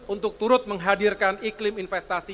untuk turut menghadirkan iklim investasi